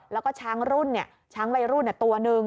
แล้วก็ช้างรุ่นช้างวัยรุ่น๑ตัว